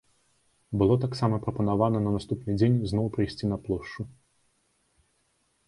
Было таксама прапанавана на наступны дзень зноў прыйсці на плошчу.